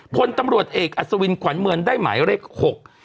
พลตำรวจเอกอัศวินขวัญเมืองได้หมายเลขหก